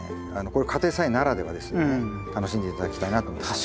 これ家庭菜園ならではですよね楽しんで頂きたいなと思います。